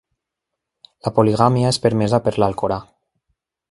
La poligàmia és permesa per l'Alcorà.